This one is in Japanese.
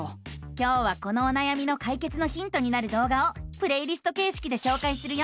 今日はこのおなやみのかいけつのヒントになる動画をプレイリストけいしきでしょうかいするよ！